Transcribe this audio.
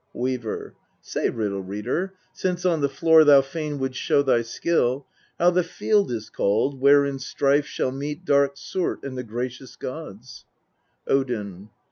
Weaver. 17. Say, Riddle reader ! since on the floor thou fain wouldst show thy skill, how the Field is called where in strife shall meet dark Surt and the gracious gods. Odin.